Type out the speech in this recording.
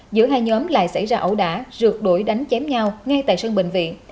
giữa hai nhóm lại xảy ra ẩu đả rượt đuổi đánh chém nhau ngay tại sân bệnh viện